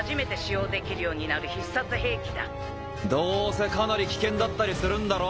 匹Δかなり危険だったりするんだろ？